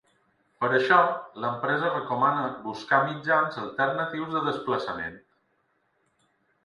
Per això, l’empresa recomana buscar mitjans alternatius de desplaçament.